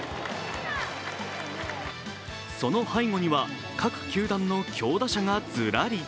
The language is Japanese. その背後には、各球団の強打者がずらり。